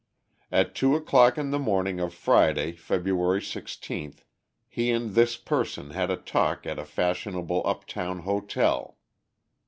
At two o'clock in the morning of Friday, February 16, he and this person had a talk at a fashionable uptown hotel.